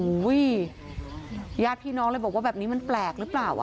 ญาติพี่น้องเลยบอกว่าแบบนี้มันแปลกหรือเปล่าอ่ะ